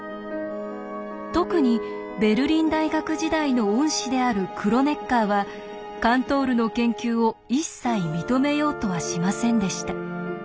特にベルリン大学時代の恩師であるクロネッカーはカントールの研究を一切認めようとはしませんでした。